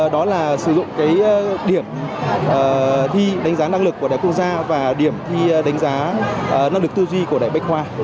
đó là sử dụng điểm thi đánh giá năng lực của đại quốc gia và điểm thi đánh giá năng lực tư duy của đại bách khoa